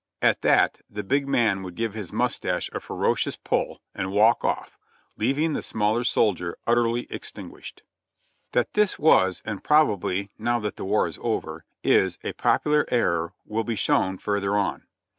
At that the big man would give his mustache a ferocious pull, and walk off, leaving the smaller soldier utterly extinguished. That this was, and probably (now that the war is over) is, a popular error will be shown further on.